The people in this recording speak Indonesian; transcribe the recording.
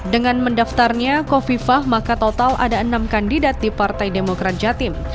dengan mendaftarnya kofifah maka total ada enam kandidat di partai demokrat jatim